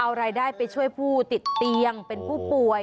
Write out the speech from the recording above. เอารายได้ไปช่วยผู้ติดเตียงเป็นผู้ป่วย